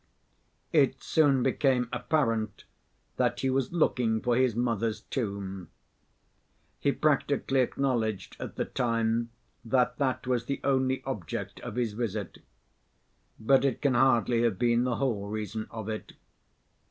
It soon became apparent that he was looking for his mother's tomb. He practically acknowledged at the time that that was the only object of his visit. But it can hardly have been the whole reason of it.